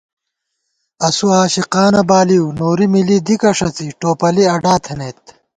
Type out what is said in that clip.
اسُوعاشقانہ بالِؤ نوری مِلی دِکہ ݭڅی ٹوپَلی اڈا تھنَئیت